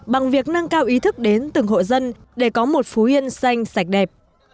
bằng việc nâng cao ý thức đến từng hộ dân để có một phú yên xanh sạch đẹp